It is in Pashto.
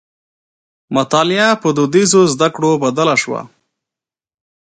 مطالعه په دودیزو زدکړو بدله شوه.